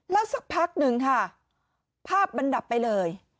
แล้วสักพักหนึ่งค่ะภาพมันดับไปเลย